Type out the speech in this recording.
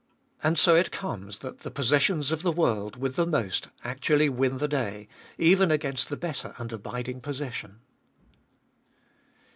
And so it comes that the possessions of this world with the most actually win the day, even against the better and abiding possession.